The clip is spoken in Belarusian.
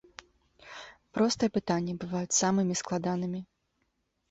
Простыя пытанні бываюць самымі складанымі.